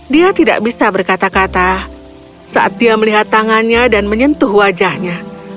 dia tidak bisa berkata kata saat dia melihat tangannya dan menyentuh wajahnya